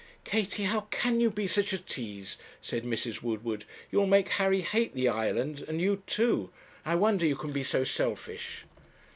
'Katie, how can you be such a tease?' said Mrs. Woodward; 'you'll make Harry hate the island, and you too. I wonder you can be so selfish.'